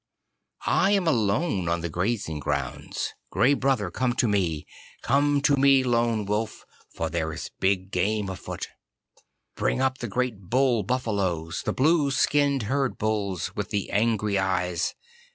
I am alone on the grazing grounds. Gray Brother, come to me! Come to me, Lone Wolf, for there is big game afoot! Bring up the great bull buffaloes, the blue skinned herd bulls with the angry eyes.